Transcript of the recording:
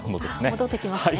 戻ってきますね。